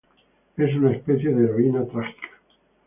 Es una especie de heroína trágica.